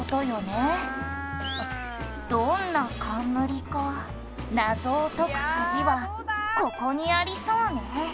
「どんな冠か謎を解く鍵はここにありそうね」